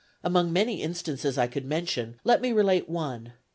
Among many instances I could mention, let me relate one.